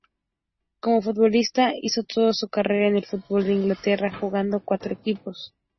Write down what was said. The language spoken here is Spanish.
Como futbolista, hizo toda su carrera en el fútbol de Inglaterra, jugando cuatro equipos.